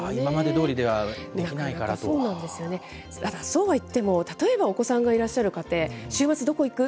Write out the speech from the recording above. そうはいっても、例えばお子さんがいらっしゃる家庭、週末、どこ行く？